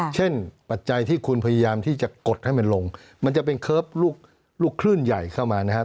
ปัจจัยที่คุณพยายามที่จะกดให้มันลงมันจะเป็นเคิร์ฟลูกคลื่นใหญ่เข้ามานะครับ